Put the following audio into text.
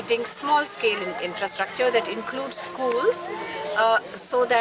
bahwa infrastruktur kecil aslinya termasuk layar sekolah